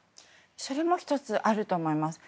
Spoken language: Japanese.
それも１つあると思います。